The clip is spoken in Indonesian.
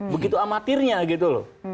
begitu amatirnya gitu loh